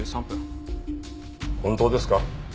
本当ですか？